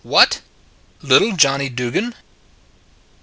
"WHAT! LITTLE JOHNNY DUGAN?"